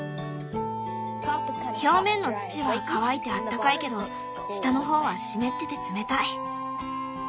表面の土は乾いてあったかいけど下の方は湿ってて冷たい。